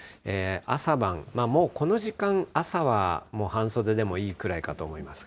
朝晩、もうこの時間、朝はもう半袖でもいいくらいかと思います。